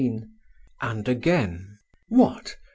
And again: "What?